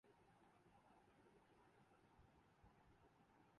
وزیراعظم غیر ضروری ود ہولڈنگ ٹیکس ختم کرنے کے خواہاں